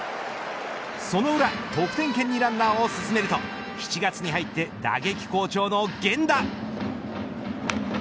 その裏得点圏にランナーを進めると７月に入って打撃好調の源田。